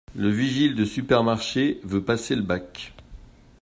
Le vigile de supermarché veut passer le bac...